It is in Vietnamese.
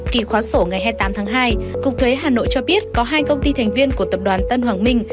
kỳ khóa sổ ngày hai mươi tám tháng hai cục thuế hà nội cho biết có hai công ty thành viên của tập đoàn tân hoàng minh